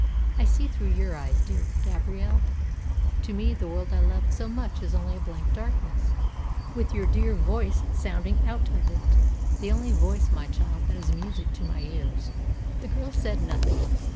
I see through your eyes, dear Gabrielle. To me, the world I loved so much is only a blank darkness, with your dear voice sounding out of it the only voice, my child, that is music to my ears." The girl said nothing.